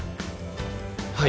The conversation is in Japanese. はい。